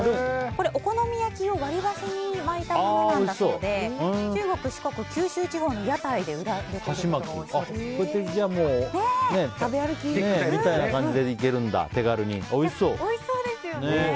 お好み焼きを割り箸に巻いたものだそうで中国・四国・九州地方の屋台で売られていることがこうやって食べ歩きみたいなおいしそうですよね。